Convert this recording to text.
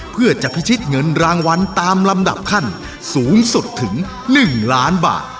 เพื่อจะพิชิตเงินรางวัลตามลำดับขั้นสูงสุดถึง๑ล้านบาท